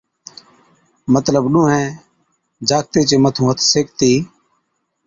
مطلب ڏُونَھين جاکَتي چي مَٿُون ھٿ سيڪتِي